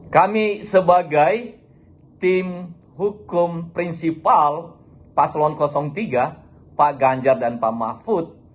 kami sebagai tim hukum prinsipal paslon tiga pak ganjar dan pak mahfud